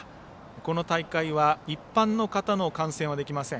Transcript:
この大会は一般の方の観戦はできません。